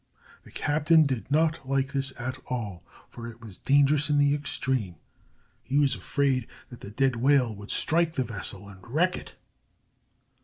The captain did not like this at all, for it was dangerous in the extreme. He was afraid that the dead whale would strike the vessel and wreck it.